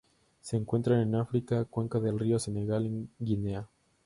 Se encuentran en África: cuenca del río Senegal en Guinea.